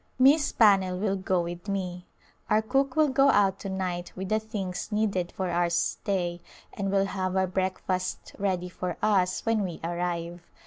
Miss Pannell will go with me. Our cook will go out to night with the things needed for our stay and will have our break fast ready for us when we arrive.